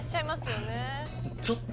ちょっと。